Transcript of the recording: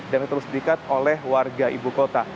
untuk warga ibu kota